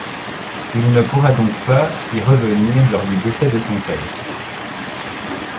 Il ne pourra donc pas y revenir lors du décès de son père.